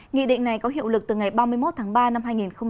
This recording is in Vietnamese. nghị định này có hiệu lực từ ngày ba mươi một tháng ba năm hai nghìn hai mươi